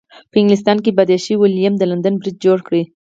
په انګلستان کې پادشاه ویلیم د لندن برج جوړ کړ.